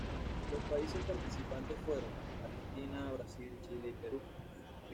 Los países participantes fueron Argentina, Brasil, Chile y Perú.